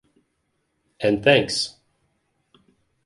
And thanks.